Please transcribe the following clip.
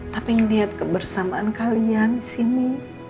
tapi lihat kebersamaan kalian di sini